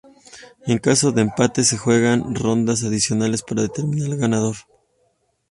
En caso de empate, se juegan rondas adicionales para determinar el ganador.